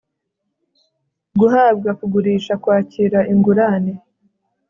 guhabwa kugurisha kwakira ingurane